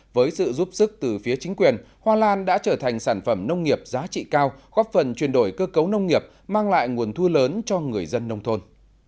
với sự giúp sức từ phía chính quyền hoa lan đã trở thành sản phẩm nông nghiệp giá trị cao góp phần chuyển đổi cơ cấu nông nghiệp mang lại nguồn thu lớn cho người dân nông thôn